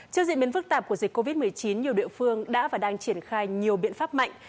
trước diễn biến phức tạp của dịch covid một mươi chín nhiều địa phương đã và đang triển khai nhiều biện pháp mạnh